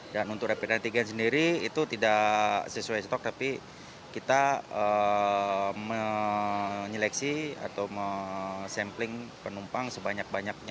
dan untuk rapid antigen sendiri itu tidak sesuai stok tapi kita menyeleksi atau mesampling penumpang sebanyak banyaknya